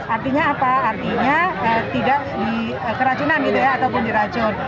artinya apa artinya tidak dikeracunan gitu ya ataupun diracun